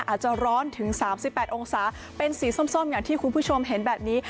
อาจจะร้อนถึง๓๘องศาเป็นสีส้มอย่างที่คุณผู้ชมเห็นแบบนี้